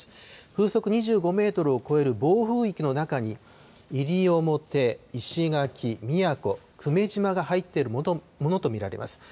風速２５メートルを超える暴風域の中に、西表、石垣、宮古、久米島が入っているものと見られます。